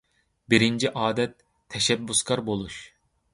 بىرىنچى ئادەت، تەشەببۇسكار بولۇش.